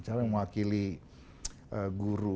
siapa yang mewakili guru